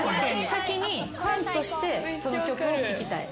先にファンとしてその曲を聴きたい。